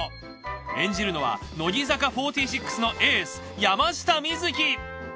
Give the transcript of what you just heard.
演じるのは乃木坂４６のエース山下美月。